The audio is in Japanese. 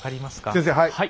先生はい。